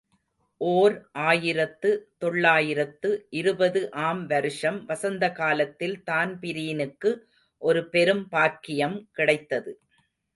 ஓர் ஆயிரத்து தொள்ளாயிரத்து இருபது ஆம் வருஷம் வசந்தகாலத்தில் தான்பிரீனுக்கு ஒரு பெரும் பாக்கியம் கிடைத்தது.